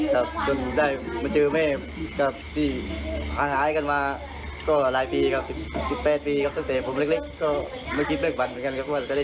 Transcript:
ขอบคุณทุกคนที่เป็นกำลังใจให้ผมมาจนได้มาเจอแม่